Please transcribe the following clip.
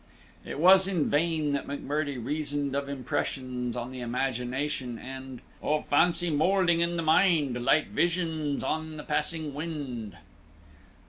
It was in vain that M'Murdie reasoned of impressions on the imagination, and "Of fancy moulding in the mind, Light visions on the passing wind."